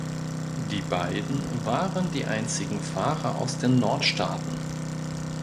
Die beiden waren die einzigen Fahrer aus den Nordstaaten.